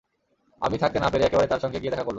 আমি থাকতে না পেরে একেবারে তার সঙ্গে গিয়ে দেখা করলুম।